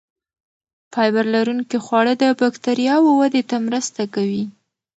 فایبر لرونکي خواړه د بکتریاوو ودې ته مرسته کوي.